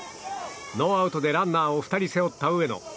ノーアウトでランナーを２人背負った上野。